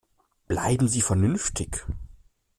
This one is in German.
Bleiben Sie vernünftig!